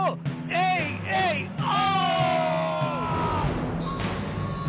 エイエイオ！